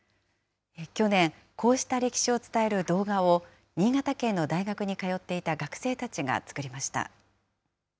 去年、こうした歴史を伝える動画を、新潟県の大学に通っていた学生たちが作りました。